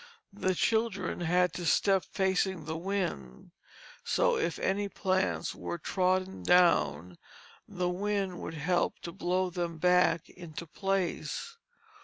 The children had to step facing the wind, so if any plants were trodden down the wind would help to blow them back into place.